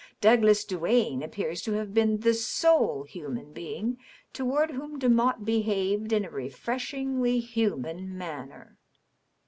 Douglas Duane appears to have been the sole human being to ward whom Demotte behaved in a refreshingly human manner."